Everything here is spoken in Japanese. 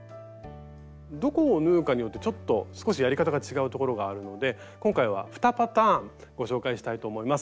どこを縫うかによってちょっと少しやり方が違うところがあるので今回は２パターンご紹介したいと思います。